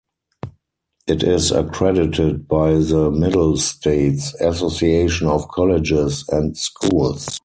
It is accredited by the Middle States Association of Colleges and Schools.